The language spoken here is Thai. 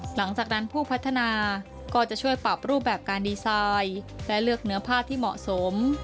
หลังจากนั้นผู้พัฒนาก็จะช่วยปรับรูปแบบการดีไซน์และเลือกเนื้อผ้าที่เหมาะสม